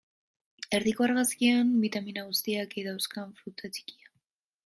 Erdiko argazkian, bitamina guztiak ei dauzkan fruta txikia.